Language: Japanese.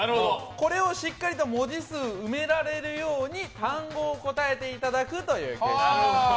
これをしっかりと文字数埋められるように単語を応えていただくというゲームです。